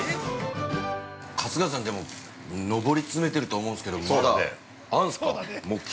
◆春日さん、でも、上り詰めてると思うんすけどまだ、あるんすか、目標。